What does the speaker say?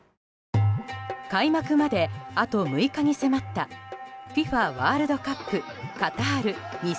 開幕まであと６日に迫ったＦＩＦＡワールドカップカタール２０２２。